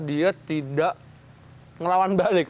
dia tidak ngelawan balik